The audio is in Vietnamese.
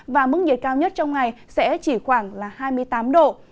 và mức nhiệt cao nhất trong ngày sẽ chỉ khoảng là hai mươi tám độ